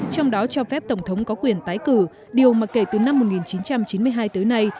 trong đó cho phép tổng thống có quyền tái cử điều mà kể từ năm một nghìn chín trăm chín mươi hai tới nay